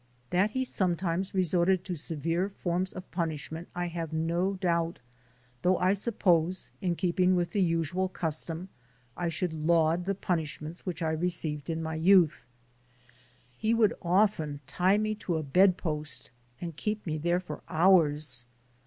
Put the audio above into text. That he sometimes resorted to severe forms of punishment I have no doubt, though I suppose, in keeping with the usual custom, I should laud the punishments which I re A NATIVE OF ANCIENT APULIA 15 ceived in my youth. He would often tie me to a bed post and keep me there for hours.